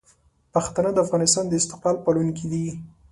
پښتانه د افغانستان د استقلال پالونکي دي.